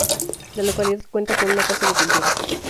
La localidad cuenta con una Casa de Cultura.